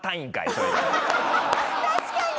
確かに！